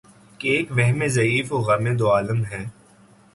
کہ ایک وہمِ ضعیف و غمِ دوعالم ہے